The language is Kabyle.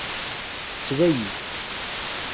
Tesla-iyi.